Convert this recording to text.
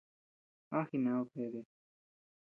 ¿A jined beade?